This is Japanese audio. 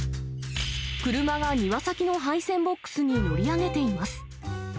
車が庭先の配線ボックスに乗り上げています。